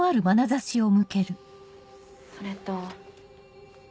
それと。